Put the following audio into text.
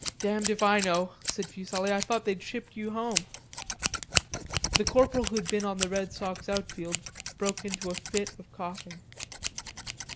"Damned if I know," said Fuselli; "I thought they'd shipped you home." The corporal who had been on the Red Sox outfield broke into a fit of coughing.